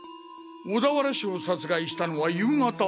小田原氏を殺害したのは夕方？